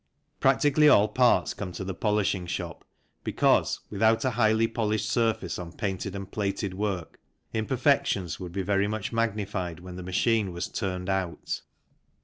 Practically all parts come to the polishing shop because, without a highly polished surface on painted and plated work, imperfections would be very much magnified when the machine was turned out.